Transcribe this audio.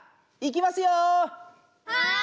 いきますよ！